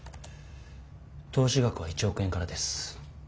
投資額は１億円からです。